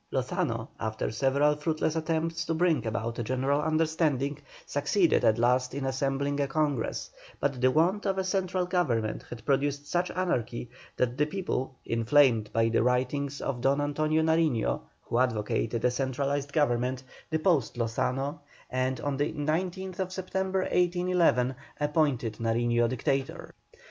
Lozano, after several fruitless attempts to bring about a general understanding, succeeded at last in assembling a Congress, but the want of a central government had produced such anarchy that the people, inflamed by the writings of Don Antonio Nariño, who advocated a centralized government, deposed Lozano, and on the 19th September, 1811, appointed Nariño Dictator.